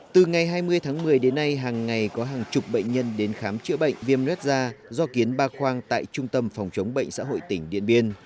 từ ngày hai mươi tháng một mươi đến nay hàng ngày có hàng chục bệnh nhân đến khám chữa bệnh viêm luet da do kiến ba khoang tại trung tâm phòng chống bệnh xã hội tỉnh điện biên